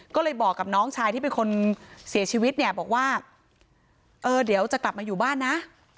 ก็เลยบอกกับน้องชายที่เป็นคนเสียชีวิตเนี่ยบอกว่าเออเดี๋ยวจะกลับมาอยู่บ้านนะ